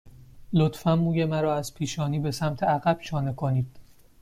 لطفاً موی مرا از پیشانی به سمت عقب شانه کنید.